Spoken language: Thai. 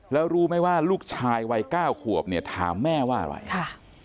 แล้วรู้ไหมว่าลูกชายวัยเก้าขวบเนี่ยถามแม่ว่าอะไรค่ะ